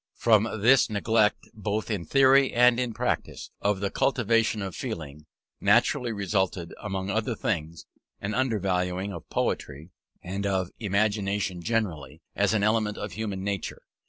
From this neglect both in theory and in practice of the cultivation of feeling, naturally resulted, among other things, an undervaluing of poetry, and of Imagination generally, as an element of human nature.